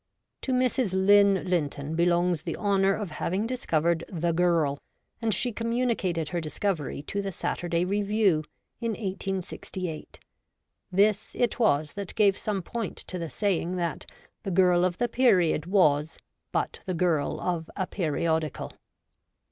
To Mrs. Lynn Linton belongs the honour of having discovered the Girl, and she communicated her discovery to the Sahirday Review in 1868. This it was that gave some point to the saying that the Girl of the Period was but the Girl of a Periodical.